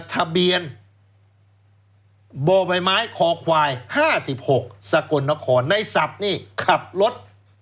ทะเบียนโบบายไม้คอควายห้าสิบหกสกลนครในสับนี่ขับรถ